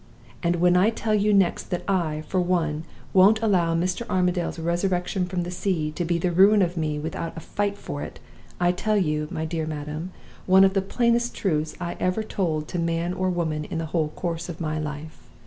And when I tell you next that I, for one, won't allow Mr. Armadale's resurrection from the sea to be the ruin of me without a fight for it, I tell you, my dear madam, one of the plainest truths I ever told to man or woman in the whole course of my life.